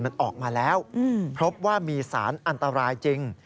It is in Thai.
มันออกมาแล้วพบว่ามีสารอันตรายจริง